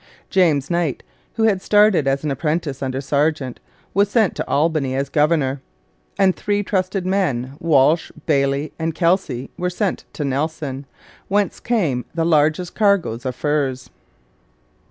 James Knight, who had started as an apprentice under Sargeant, was sent to Albany as governor, and three trusted men, Walsh, Bailey, and Kelsey, were sent to Nelson, whence came the largest cargoes of furs.